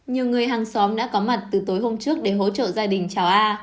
nhiều người hàng xóm đã có mặt từ tối hôm trước để hỗ trợ gia đình trào a